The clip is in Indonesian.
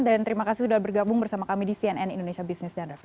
dan terima kasih sudah bergabung bersama kami di cnn indonesia business referensi